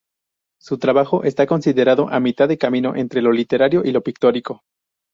Su trabajo está considerado a mitad de camino entre lo literario y lo pictórico.